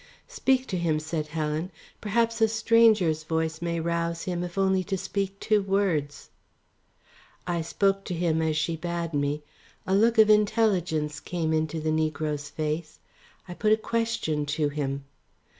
"Speak to him," said Helen. "Perhaps a stranger's voice may rouse him if only to speak two words." I spoke to him as she bade me; a look of intelligence came into the negro's face; I put a question to him.